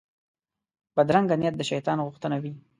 بدرنګه نیت د شیطان غوښتنه وي